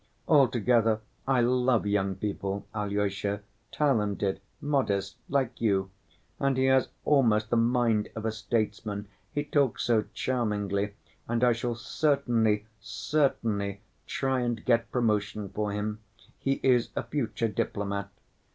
Altogether, I love young people, Alyosha, talented, modest, like you, and he has almost the mind of a statesman, he talks so charmingly, and I shall certainly, certainly try and get promotion for him. He is a future diplomat.